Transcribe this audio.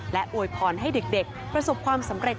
และอวยพรให้เด็กประสบความสำเร็จ